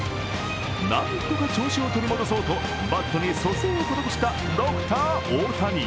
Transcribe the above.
何とか調子を取り戻そうとバットに蘇生を施したドクター大谷。